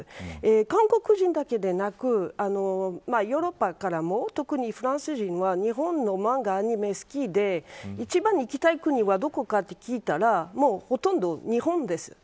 韓国人だけでなくヨーロッパからも特にフランス人は日本の漫画、アニメが好きで一番に行きたい国はどこかと聞いたらもうほとんど日本です。